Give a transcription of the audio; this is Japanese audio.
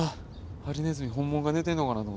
ハリネズミ本物が寝てんのかなと思った。